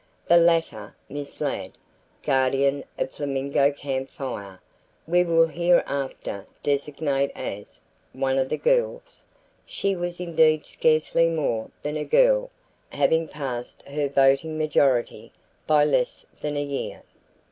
The latter, Miss Ladd, Guardian of Flamingo Camp Fire, we will hereafter designate as "one of the girls." She was indeed scarcely more than a girl, having passed her voting majority by less than a year.